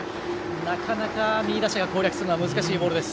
なかなか右打者が攻略するのは難しいボールです。